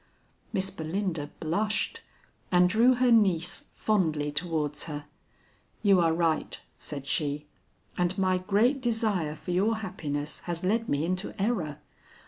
Miss Belinda blushed, and drew her niece fondly towards her. "You are right," said she, "and my great desire for your happiness has led me into error.